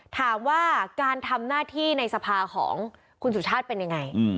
ถามว่าการทำหน้าที่ในสภาของคุณสุชาติเป็นยังไง